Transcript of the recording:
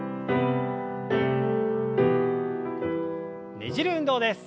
ねじる運動です。